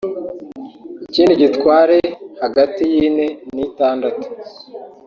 ikindi gitware hagati y’ine n’itandatu